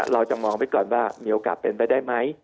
เราจะมองไว้ก่อนว่ามีโอกาสเป็นไปได้ไหม